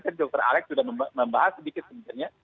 tadi dokter alex sudah membahas sedikit sebenarnya